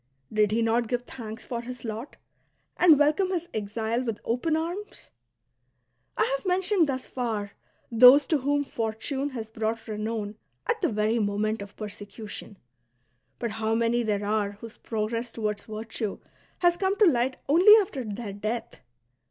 Did he not give thanks for his lot, and welcome his exile with open amis ? I have mentioned thus far those to whom Fortune has brought renown at the verj' moment of persecution ; but how many there are whose progress toward virtue has come to light only after their death